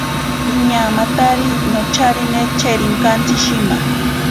Iñaamatari nocharine cherinkantsi shima.